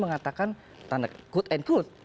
mengatakan tanda quote and quote